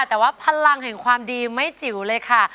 แต่ว่าพลังแห่งความดีไม่จิ๋วเลยค่ะ